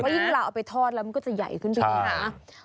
ยิ่งเวลาเอาไปทอดแล้วมันก็จะใหญ่ขึ้นไปด้วยนะ